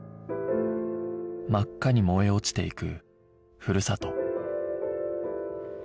真っ赤に燃え落ちていくふるさと